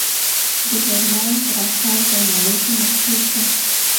د هلمند رخام په نړۍ کې مشهور دی